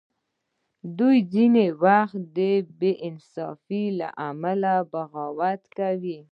دوی ځینې وخت د بې انصافۍ له امله بغاوت کاوه.